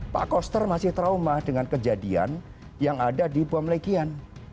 pak koster masih trauma dengan kejadian yang ada di bom legian